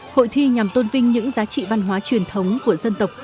hội thi nhằm tôn vinh những giá trị văn hóa truyền thống của dân tộc